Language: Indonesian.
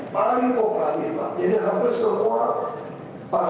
jadi kalau kita serta mumpur mumpur